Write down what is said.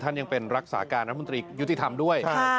ยังเป็นรักษาการรัฐมนตรียุติธรรมด้วย